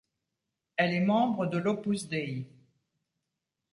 Elle est membre de l'Opus Dei.